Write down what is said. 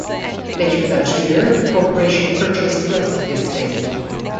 Later that year, the corporation purchased the rest of the estate.